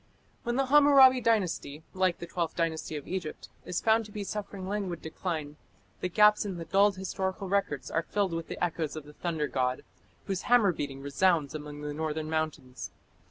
When the Hammurabi Dynasty, like the Twelfth Dynasty of Egypt, is found to be suffering languid decline, the gaps in the dulled historical records are filled with the echoes of the thunder god, whose hammer beating resounds among the northern mountains.